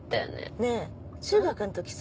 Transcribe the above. ねぇ中学の時さ